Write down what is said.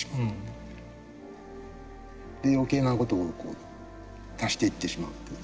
で余計な事を足していってしまうっていう。